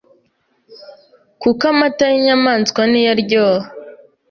kuko amata y’inyamaswa niyo aryoha